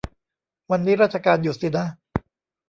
วันนี้ราชการหยุดสินะ